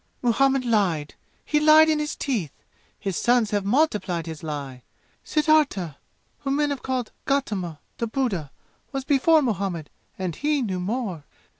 "Muhammad lied! He lied in his teeth! His sons have multiplied his lie! Siddhattha, whom men have called Gotama, the Buddha, was before Muhammad and he knew more!